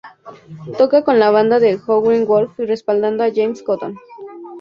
Toca con la banda de Howlin Wolf y respaldando a James Cotton.